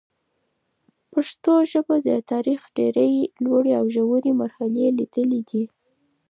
پښتو ژبه د تاریخ ډېري لوړي او ژوري مرحلې لیدلي دي.